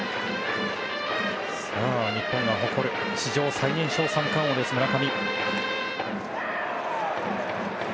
日本が誇る史上最年少３冠王、村上。